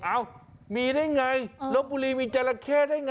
เอ้ามีได้ไงลบบุรีมีจราเข้ได้ไง